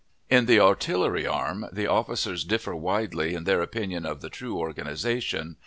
In the artillery arm, the officers differ widely in their opinion of the true organization.